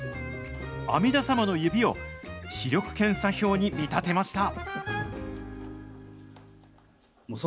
阿弥陀様の指を視力検査表に見立てました。